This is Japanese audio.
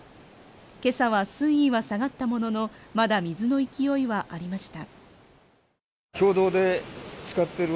今朝は水位は下がったもののまだ水の勢いはありました